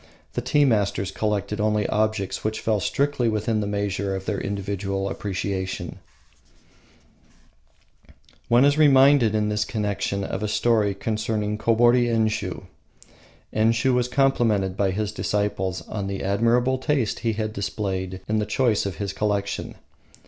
The tea masters collected only objects which fell strictly within the measure of their individual appreciation. One is reminded in this connection of a story concerning Kobori Enshiu. Enshiu was complimented by his disciples on the admirable taste he had displayed in the choice of his collection.